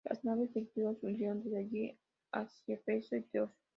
Las naves de Quíos huyeron desde allí hacia Éfeso y Teos.